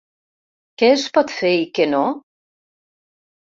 Què es pot fer i què no?